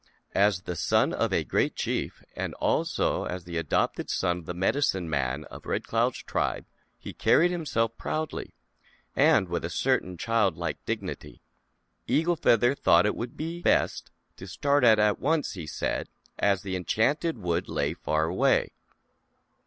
As the son of a Great Chief, and alsoJks the adopted son of the Mjejfiicin^^an of Red Cloud's tribe, ZAUBERLINDA, THE WISE WITCH. 207 he carried himself proudly, and with a certain child like dignity. Eagle Feather thought it would be best to start out at once, he said, as the Enchanted Wood lay far away.